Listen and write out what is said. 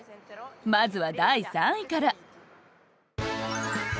まずは第３位から。